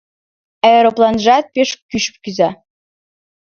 Аэропланжат пеш кӱш кӱза